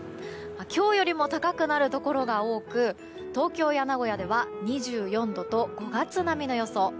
今日よりも高くなるところが多く東京や名古屋では２４度と５月並みの予想。